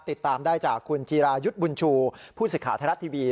ติดตามได้จากคุณจีรายุทธ์บุญชูผู้ศึกาธรรทีวี